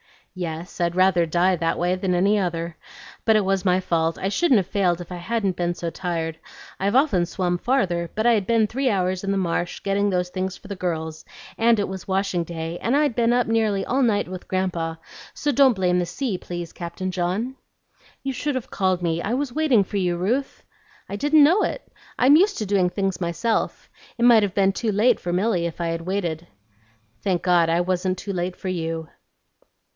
"Yes, I'd rather die that way than any other. But it was my fault; I shouldn't have failed if I hadn't been so tired. I've often swum farther; but I'd been three hours in the marsh getting those things for the girls, and it was washing day, and I'd been up nearly all night with Grandpa; so don't blame the sea, please, Captain John." "You should have called me; I was waiting for you, Ruth." "I didn't know it. I'm used to doing things myself. It might have been too late for Milly if I'd waited." "Thank God, I wasn't too late for you."